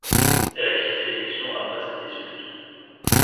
Elle a quitté l'émission après cette dispute.